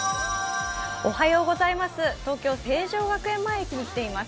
東京・成城学園前駅に来ています。